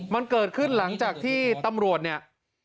มันเกิดขึ้นหลังจากที่ตำรวจเนี่ย